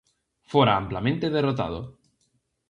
Fora amplamente derrotado.